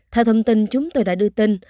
theo thông tin chúng tôi đã đưa tin